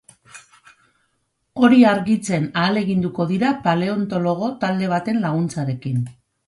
Hori argitzen ahaleginduko dira paleontologo talde baten laguntzarekin.